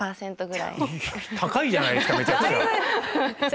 高いじゃないですかめちゃくちゃ。